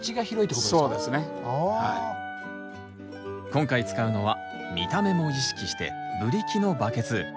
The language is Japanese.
今回使うのは見た目も意識してブリキのバケツ。